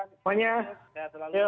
semuanya sehat selalu